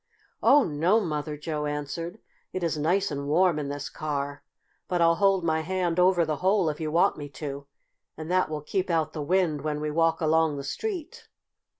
"Oh, no, Mother," Joe answered. "It is nice and warm in this car. But I'll hold my hand over the hole if you want me to, and that will keep out the wind when we walk along the street."